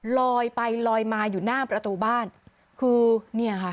ลอยไปลอยมาอยู่หน้าประตูบ้านคือเนี่ยค่ะ